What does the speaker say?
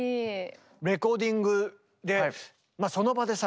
レコーディングでその場でさ